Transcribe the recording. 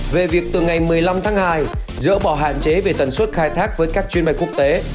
về việc từ ngày một mươi năm tháng hai dỡ bỏ hạn chế về tần suất khai thác với các chuyên bay quốc tế